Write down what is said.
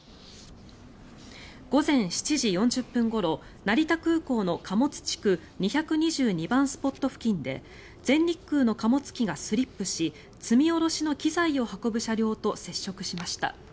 午前７時４０分ごろ、成田空港の貨物地区２２２番スポット付近で全日空の貨物機がスリップし積み下ろしの機材を運ぶ車両と接触しました。